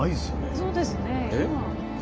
そうですね今。